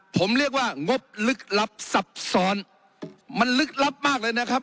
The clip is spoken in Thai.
ผมเรียกว่างบลึกลับซับซ้อนมันลึกลับมากเลยนะครับ